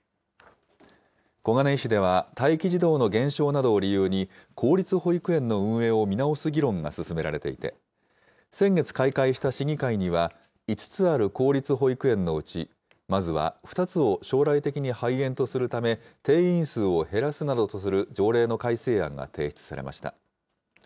小金井市では、待機児童の減少などを理由に、公立保育園の運営を見直す議論が進められていて、先月開会した市議会には、５つある公立保育園のうち、まずは２つを将来的に廃園とするため、定員数を減らすなどとする条例の改正案が提出されました。